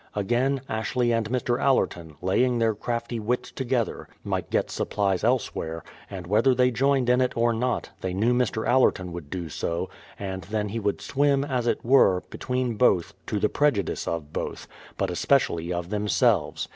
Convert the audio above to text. Again, Ashley and Mr. Allerton, laying their crafty wits together, might 210 BRADFORD'S HISTORY OP get supplies elsewhere ; and whether they joined in it or not, they knew Mr. Allerton would do so, and then he would swim, as it were, between both, to the prejudice of both, — but especially of themselves.